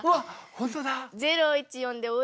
本当だ！